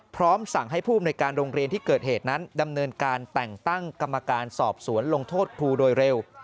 พร้อมสั่งให้ผู้อำนวยการโรงเรียนที่เกิดเหตุนั้นดำเนินการแต่งตั้งกรรมการสอบสวนลงโทษครูโดยเร็ว